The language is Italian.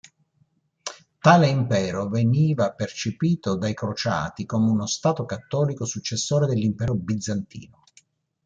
Tale impero veniva percepito dai crociati come uno Stato cattolico successore dell'impero bizantino.